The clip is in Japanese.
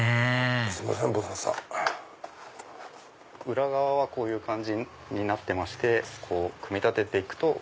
裏側はこういう感じになってて組み立てて行くと。